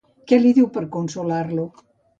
Què li diu per consolar-lo?